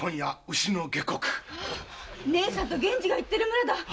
義姉さんと源次が行ってる村だ！